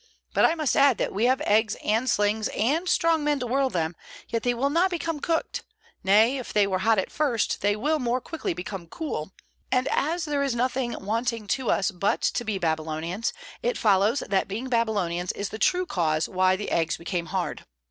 But I must add that we have eggs and slings, and strong men to whirl them, yet they will not become cooked; nay, if they were hot at first, they more quickly became cool; and as there is nothing wanting to us but to be Babylonians, it follows that being Babylonians is the true cause why the eggs became hard."